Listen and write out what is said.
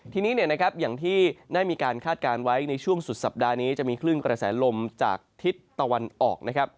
ทีนี้อย่างที่ได้มีการคาดการณ์ไว้ในช่วงสุดสัปดาห์นี้จะมีคลื่นกระแสลมจากทิศตะวันออกนะครับ